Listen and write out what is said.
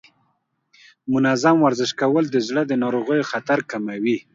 منظم ورزش کول د زړه ناروغیو خطر کموي.